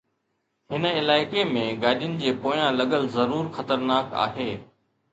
هن علائقي ۾ گاڏين جي پويان لڳل ضرور خطرناڪ آهي